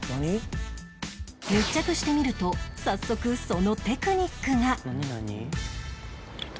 密着してみると早速そのテクニックが！